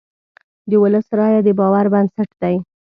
د ولس رایه د باور بنسټ دی.